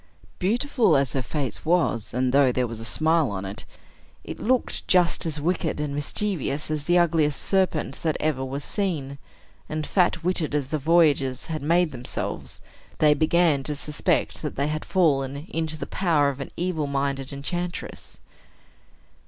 Beautiful as her face was, and though there was a smile on it, it looked just as wicked and mischievous as the ugliest serpent that ever was seen; and fat witted as the voyagers had made themselves, they began to suspect that they had fallen into the power of an evil minded enchantress.